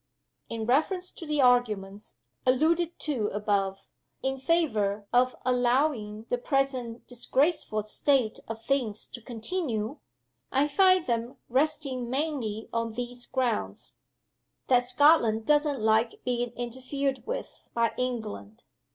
In reference to the arguments (alluded to above) in favor of allowing the present disgraceful state of things to continue, I find them resting mainly on these grounds: That Scotland doesn't like being interfered with by England